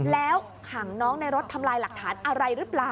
แล้วขังน้องในรถทำลายหลักฐานอะไรหรือเปล่า